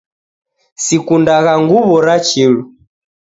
Sikundagha nguw'o ra chilu